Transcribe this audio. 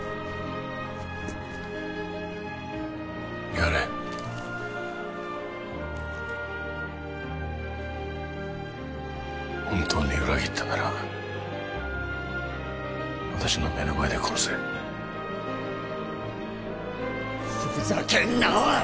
やれ本当に裏切ったなら私の目の前で殺せふざけんなおい！